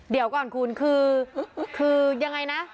เดี๋ยวก่อนคุณคือยังไงนะ